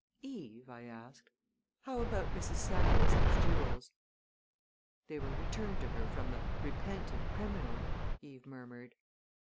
"Eve," I asked, "how about Mrs. Samuelson's jewels?" "They were returned to her from 'a repentant criminal,'" Eve murmured.